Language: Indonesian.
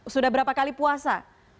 sudah berapa kali puasa